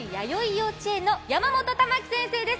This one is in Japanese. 幼稚園の山本珠暉先生です。